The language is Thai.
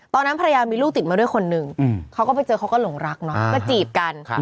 ตอนนั้นภรรยามีลูกติดมาด้วยคนนึงเขาก็ไปเจอเขาก็หลงรักเนาะก็จีบกัน